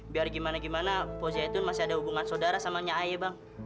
biar gimana gimana baw zaitun masih ada hubungan saudara sama nyai ya bang